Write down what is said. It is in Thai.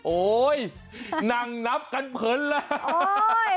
โอ้ยนั่งนับกันเพลินแล้ว